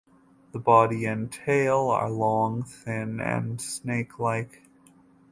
The body and tail are long, thin, and snake-like.